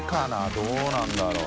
どうなんだろう？